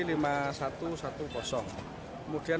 kami juga mencari beberapa kekurangan